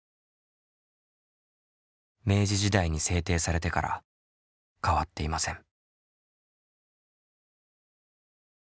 明治時代に制定されてから変わっていません。